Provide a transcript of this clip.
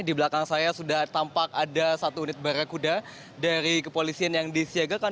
di belakang saya sudah tampak ada satu unit barakuda dari kepolisian yang disiagakan